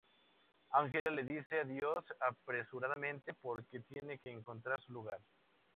Angela le dice adiós apresuradamente porque tiene que encontrar su lugar.